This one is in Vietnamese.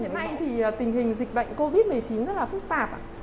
hiện nay thì tình hình dịch bệnh covid một mươi chín rất là phức tạp